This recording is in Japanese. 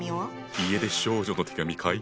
家出少女の手紙かい。